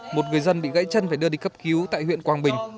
một người dân bị gãy chân phải đưa đi cấp cứu tại huyện quang bình